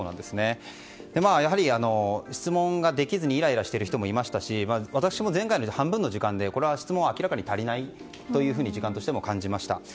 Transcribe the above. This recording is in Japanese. やはり質問ができずにイライラしている人もいましたし私も、前回の半分の時間で質問時間が明らかに足りないと感じました。